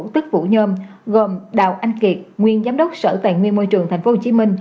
tức vũ nhôm gồm đào anh kiệt nguyên giám đốc sở tài nguyên môi trường tp hcm